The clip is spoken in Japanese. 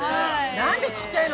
何で、ちっちゃいの？